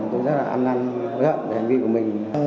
tôi rất là ăn năn hối hận về hành vi của mình